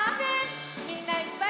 みんないっぱい。